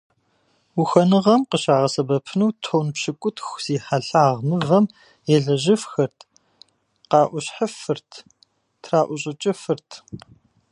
Ухуэныгъэм къыщагъэсэбэпыну тонн пщыкӏутху зи хьэлъагъ мывэм елэжьыфхэрт, къаӏущӏыхьыфырт, траӏущӏыкӏыфырт.